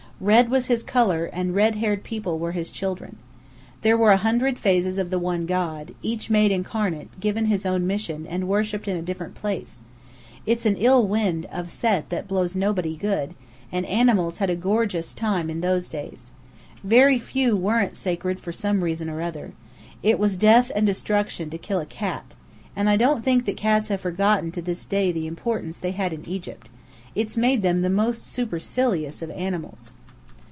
Red was his colour, and red haired people were his children. There were a hundred phases of the one god, each made incarnate, given his own mission, and worshipped in a different place. It's an ill wind (of Set) that blows nobody good, and animals had a gorgeous time in those days. Very few weren't sacred for some reason or other. It was death and destruction to kill a cat. And I don't think that cats have forgotten to this day the importance they had in Egypt. It's made them the most supercilious of animals.